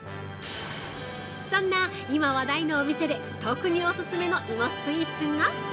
そんな今話題のお店で特にオススメの芋スイーツが◆